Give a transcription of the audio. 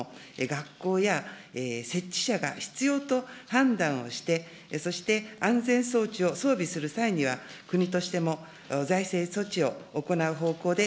学校や設置者が必要と判断をして、そして安全装置を装備する際には、国としても財政措置を行う方向で、